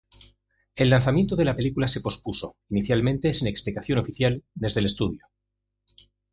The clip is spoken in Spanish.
El lanzamiento de la película se pospuso, inicialmente sin explicación oficial desde el estudio.